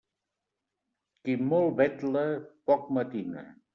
Qui molt vetla, poc matina.